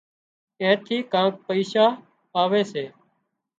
اين ٿي ڪانڪ پئيشا آوي سي